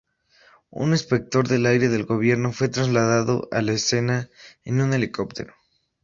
Un inspector del aire del Gobierno fue trasladado a la escena en un helicóptero.